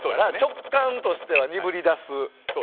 直感としては鈍りだす。